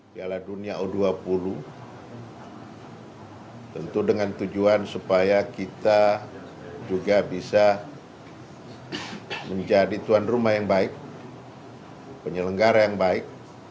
piala dunia u dua puluh tentu dengan tujuan supaya kita juga bisa menjadi tuan rumah yang baik penyelenggara yang baik